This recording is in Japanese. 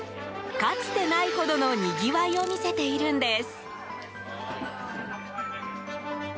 かつてないほどのにぎわいを見せているんです。